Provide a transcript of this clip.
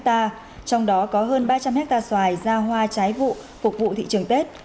trong đó có hơn ba trăm linh hectare xoài ra hoa trái vụ phục vụ thị trường tết